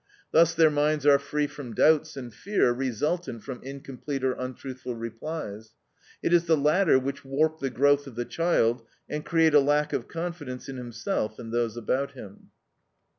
Thus their minds are free from doubts and fear resultant from incomplete or untruthful replies; it is the latter which warp the growth of the child, and create a lack of confidence in himself and those about him.